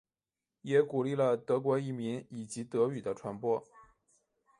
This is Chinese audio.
也鼓励了德国移民以及德语的传播。